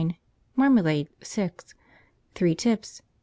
9 Marmalade. ... 6 Three tips.